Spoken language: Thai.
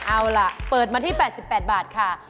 เอาล่ะเปิดมาที่๘๘บาทค่ะ